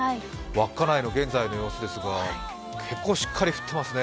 稚内の現在の様子ですが結構しっかり降っていますね。